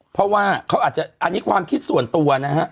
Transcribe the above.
เพราะว่าเขาอาจจะอันนี้ความคิดส่วนตัวนะฮะ